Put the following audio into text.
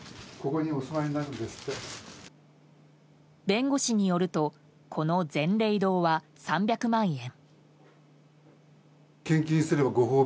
弁護士によるとこの善霊堂は３００万円。